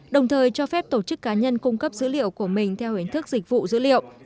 đồng thời cho phép tổ chức cá nhân cung cấp dữ liệu của mình theo hình thức dịch vụ dữ liệu